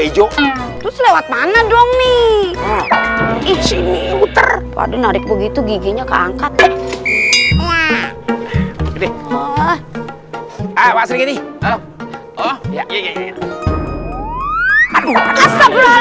ijo lewat mana dong nih sini puter padahal begitu giginya keangkat hai wah gede awas